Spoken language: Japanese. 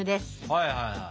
はいはいはい。